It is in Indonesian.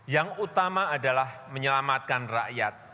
yang utama adalah menyelamatkan rakyat